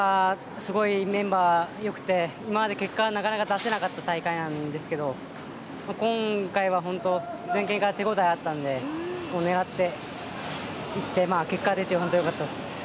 すごいメンバーよくて今まで結果がなかなか出せなかった大会なんですけど今回は、前回から手応えがあったので狙っていって、結果が出てホントよかったです。